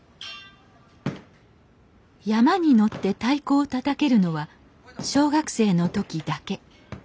山車に乗って太鼓をたたけるのは小学生の時だけ。